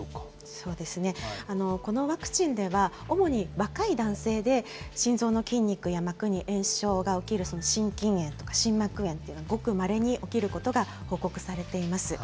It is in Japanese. そうですね、このワクチンでは、主に若い男性で、心臓の筋肉や膜に炎症が起きる心筋炎とか心膜炎というのがごくまれに起きることが報告されています。